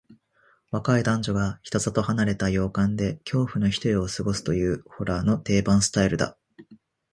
若い男女が人里離れた洋館で恐怖の一夜を過ごすという、ホラーの定番スタイルだ。